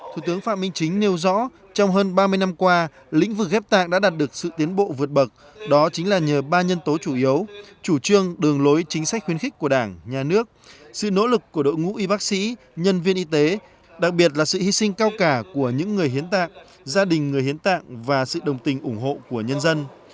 thủ tướng phạm minh chính nêu rõ trong hơn ba mươi năm qua lĩnh vực ghép tạng đã đạt được sự tiến bộ vượt bậc đó chính là nhờ ba nhân tố chủ yếu chủ trương đường lối chính sách khuyến khích của đảng nhà nước sự nỗ lực của đội ngũ y bác sĩ nhân viên y tế đặc biệt là sự hy sinh cao cả của những người hiến tạng gia đình người hiến tạng và sự đồng tình ủng hộ của nhân dân